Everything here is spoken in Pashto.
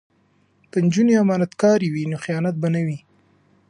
که نجونې امانتکارې وي نو خیانت به نه وي.